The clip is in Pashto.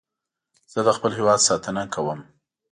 زه د خپل هېواد ساتنه کوم